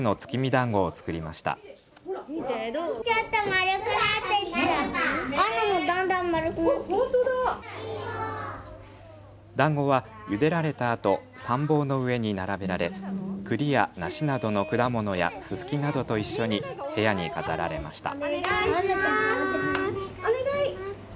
だんごは、ゆでられたあと三方の上に並べられくりや梨などの果物やススキなどと一緒に部屋に飾られました。